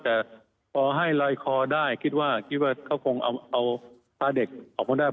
แต่พอให้ลอยคอได้คิดว่าคิดว่าเขาคงเอาพาเด็กออกมาได้